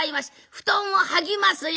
布団を剥ぎますよ。